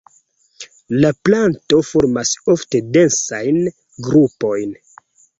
La planto formas ofte densajn grupojn.